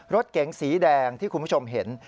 รถเก๋งสีแดงที่คุณผู้ชมเห็น